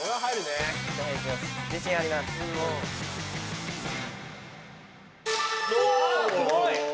すごい。